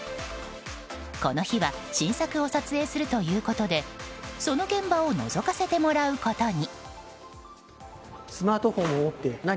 この日は新作を撮影するということでその現場をのぞかせてもらうことに。